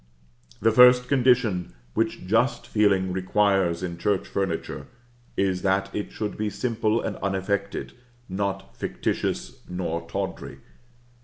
The first condition which just feeling requires in church furniture is, that it should be simple and unaffected, not fictitious nor tawdry.